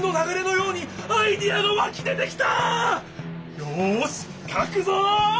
よしかくぞ！